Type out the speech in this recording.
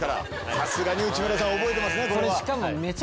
さすがに内村さん覚えてますね。